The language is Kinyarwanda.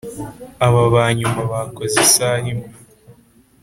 ‘Aba ba nyuma bakoze isaha imwe